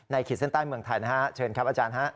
ขีดเส้นใต้เมืองไทยนะฮะเชิญครับอาจารย์ฮะ